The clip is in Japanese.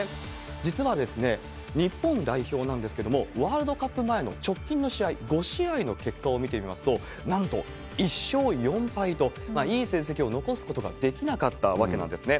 実は日本代表なんですけれども、ワールドカップ前の直近の試合、５試合の結果を見てみますと、なんと１勝４敗と、いい成績を残すことができなかったわけなんですね。